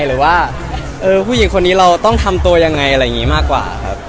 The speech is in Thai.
หรือว่าผู้หญิงคนนี้เราต้องทำตัวยังไงอะไรอย่างนี้มากกว่าครับ